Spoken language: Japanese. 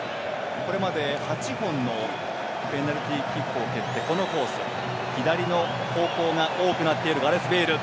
これまで８本のペナルティーキックを蹴って左の方向が多くなっているガレス・ベイル。